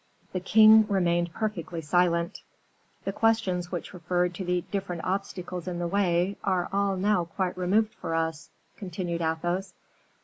The king remained perfectly silent. "The questions which referred to the different obstacles in the way are all now quite removed for us," continued Athos.